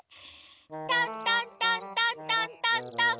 トントントントントントントン。